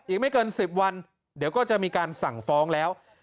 อีกไม่เกิน๑๐วันเดี๋ยวก็จะมีการสั่งฟ้องแล้ว